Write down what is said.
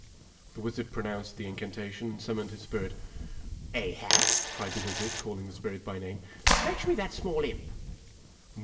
The wizard pronounced the in cantation and sum moned his spirit. "Ahab," cried the wizard, calling the spirit by name, " fetch me that small imp